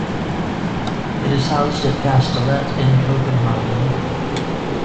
It is housed at Kastellet in Copenhagen.